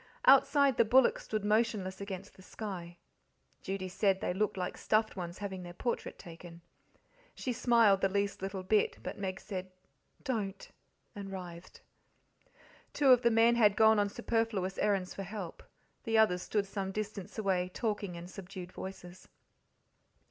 Outside the bullocks stood motionless against the sky Judy said they looked like stuffed ones having their portrait taken. She smiled the least little bit, but Meg said, "Don't," and writhed. Two of the men had gone on superfluous errands for help; the others stood some distance away, talking in subdued voices.